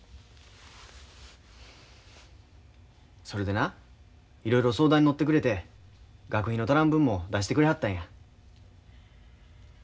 それでないろいろ相談に乗ってくれて学費の足らん分も出してくれはったんや。